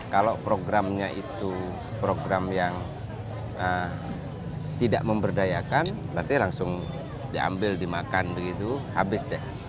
kalau programnya itu program yang tidak memberdayakan berarti langsung diambil dimakan begitu habis deh